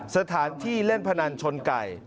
สถานที่เล่นพนันชนไก่